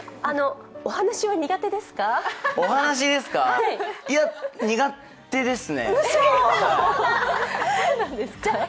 あの、お話は苦手ですか？